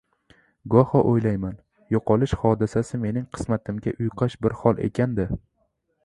Goho o‘ylayman: yo‘qolish hodisasi mening qismatimga uyqash bir hol ekan-da…